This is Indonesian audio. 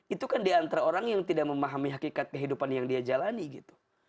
itu kan diantara orang yang tidak memahami hakikat kehidupan yang dia jalani gitu